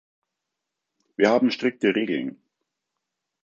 Wir haben strikte Regeln.